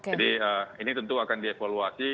jadi ini tentu akan dievaluasi